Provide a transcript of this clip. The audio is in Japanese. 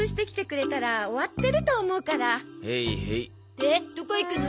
でどこ行くの？